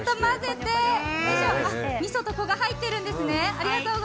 みそと子が入っているんですね。